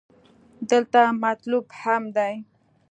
دلته مطلوب اهم دې.